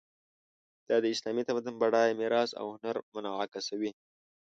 دا د اسلامي تمدن بډایه میراث او هنر منعکسوي.